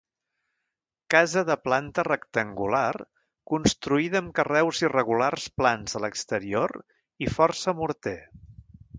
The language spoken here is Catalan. Casa de planta rectangular construïda amb carreus irregulars plans a l'exterior i força morter.